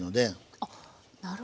あっなるほど。